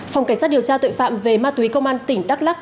phòng cảnh sát điều tra tội phạm về ma túy công an tỉnh đắk lắc